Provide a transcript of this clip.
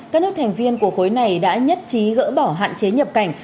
các nước thành viên của khối này đã nhất trí gỡ bỏ hạn chế nhập cảnh